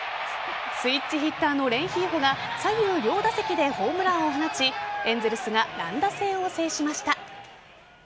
スイッチヒッターのレンヒーフォが左右両打席でホームランを放ちエンゼルスが乱打戦を制しました。